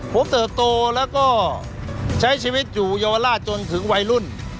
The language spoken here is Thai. ผมเติบโตแล้วก็ใช้ชีวิตอยู่เยาวราชจนถึงวัยรุ่น